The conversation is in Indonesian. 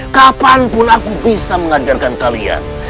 kapanpun aku bisa mengajarkan kalian